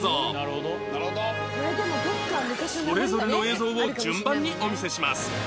それぞれの映像を順番にお見せします